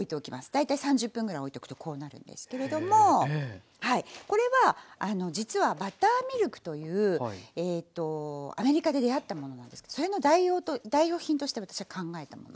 大体３０分ぐらいおいとくとこうなるんですけれどもこれは実はバターミルクというアメリカで出会ったものなんですけどそれの代用品として私が考えたものなんですね。